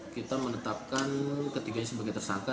kita menetapkan ketiganya sebagai tersangka